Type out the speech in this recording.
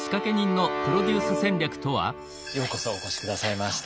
ようこそお越し下さいました。